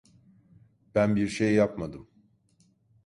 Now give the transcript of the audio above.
Ben birşey yapmadım.